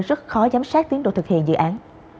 rất khó giám sát tiến độ thực hiện dự án